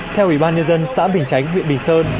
theo ủy ban nhân dân xã bình chánh huyện bình sơn